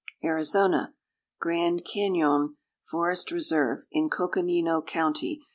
ARIZONA. =Grand Cañon Forest Reserve.= In Coconino County.